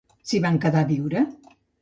S'hi van quedar a viure?